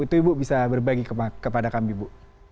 itu ibu bisa berbagi kepada kami ibu